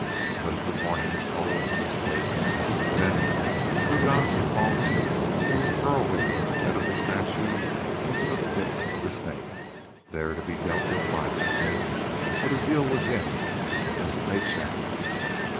But if the morning is cold and mist laden, then, true gods or false, we will hurl them from the head of the statue into the pit of the Snake, there to be dealt with by the Snake, or to deal with him as it may chance.